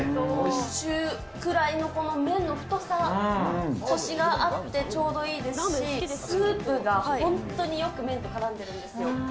中くらいのこの麺の太さ、こしがあって、ちょうどいいですし、スープが本当によく麺とからんでるんですよ。